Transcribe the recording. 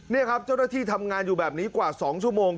นี่ครับเจ้าหน้าที่ทำงานอยู่แบบนี้กว่า๒ชั่วโมง